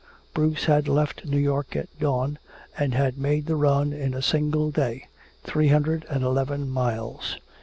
Bruce had left New York at dawn and had made the run in a single day, three hundred and eleven miles.